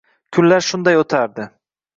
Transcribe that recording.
Kunlar shunday o'tardi.